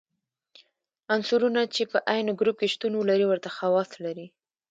عنصرونه چې په عین ګروپ کې شتون ولري ورته خواص لري.